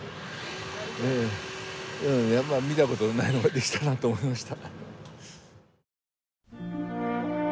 やっぱ見たことのないのができたなと思いました